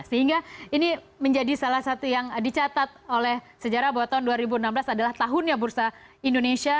sehingga ini menjadi salah satu yang dicatat oleh sejarah bahwa tahun dua ribu enam belas adalah tahunnya bursa indonesia